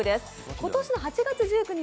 今年の８月１９日